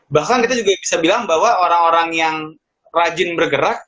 bahkan kita juga bisa bilang bahwa orang orang yang rajin bergerak